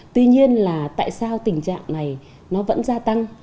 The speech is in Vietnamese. tuy nhiên là tại sao tình trạng này nó vẫn gia tăng